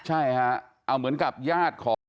ใช่ฮะเอาเหมือนกับญาติของ